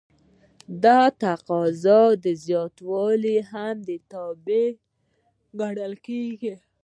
دا د تقاضا د زیاتوالي هم تابع ګڼل کیږي.